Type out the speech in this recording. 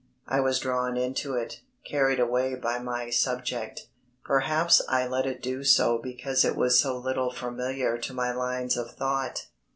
I was drawn into it, carried away by my subject. Perhaps I let it do so because it was so little familiar to my lines of thought.